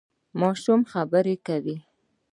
ماشوم مو خبرې کوي؟